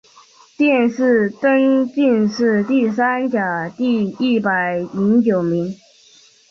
殿试登进士第三甲第一百零九名。